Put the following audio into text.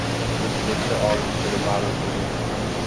Ukraina prezidenti orzusini ma’lum qildi